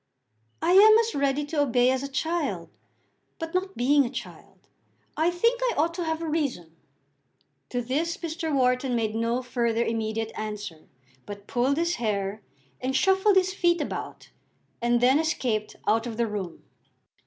"I am as ready to obey as a child; but, not being a child, I think I ought to have a reason." To this Mr. Wharton made no further immediate answer, but pulled his hair, and shuffled his feet about, and then escaped out of the room.